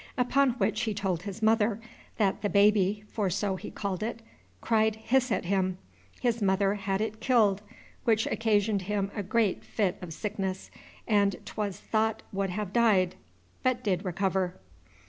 Upon which he told his Mother that the Baby (for so he call'd it) cry'd Hiss at him. His Mother had it kill'd, which occasioned him a great Fit of Sickness, and 'twas thought would have dy'd, but did recover."